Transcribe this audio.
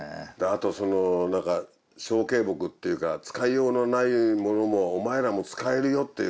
あと何か小径木っていうか使いようのないものもお前らも使えるよっていう。